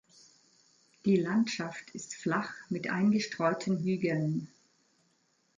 Die Landschaft ist flach mit eingestreuten Hügeln.